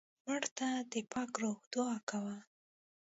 مړه ته د پاک روح دعا کوو